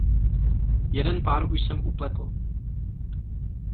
Jeden pár už jsem upletl.